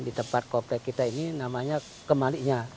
di tempat komplek kita ini namanya kemalinya